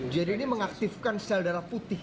jadi ini mengaktifkan sel darah putih